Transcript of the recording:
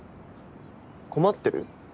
困ってる？